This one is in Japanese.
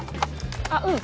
あっうん。